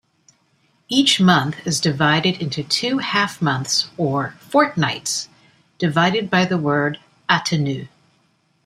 Each month is divided into two half-months or "fortnights", divided by the word "atenoux".